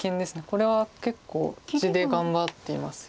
これは結構地で頑張っています。